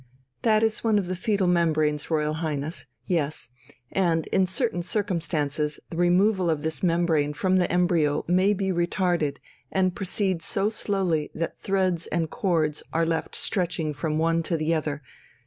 "That is one of the foetal membranes, Royal Highness. Yes. And in certain circumstances the removal of this membrane from the embryo may be retarded and proceed so slowly that threads and cords are left stretching from one to the other